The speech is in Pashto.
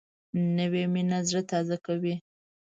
نوې مینه زړه تازه کوي